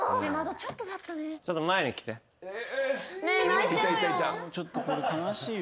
・ちょっとこれ悲しいよ。